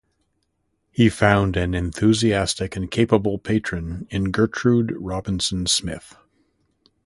He found an enthusiastic and capable patron in Gertrude Robinson Smith.